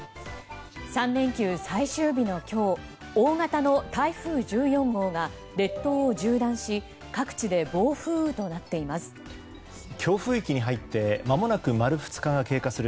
３連休最終日の今日大型の台風１４号が列島を縦断し各地で暴風雨となっています。